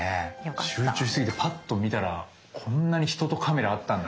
集中しすぎてパッと見たらこんなに人とカメラあったんだ。